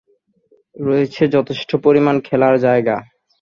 রয়েছে যথেষ্ট পরিমাণ খেলার যায়গা।